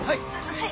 はい！